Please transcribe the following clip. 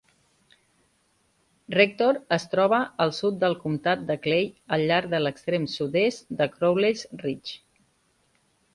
Rector es troba al sud del comtat de Clay al llarg de l'extrem sud-est de Crowley's Ridge.